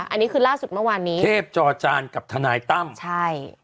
อันนี้คือล่าสุดเมื่อวานนี้เทพจอจานกับทนายตั้มใช่